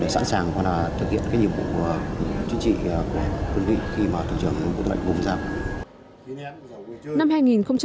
để sẵn sàng thực hiện cái nhiệm vụ chuyên trị của đơn vị khi mà thủ trưởng bộ tư lệnh vùng ra